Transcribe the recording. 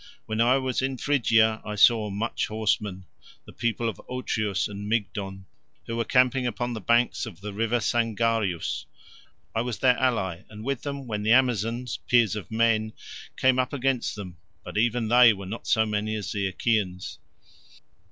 When I was in Phrygia I saw much horsemen, the people of Otreus and of Mygdon, who were camping upon the banks of the river Sangarius; I was their ally, and with them when the Amazons, peers of men, came up against them, but even they were not so many as the Achaeans."